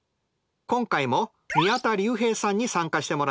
今回も宮田隆平さんに参加してもらいます。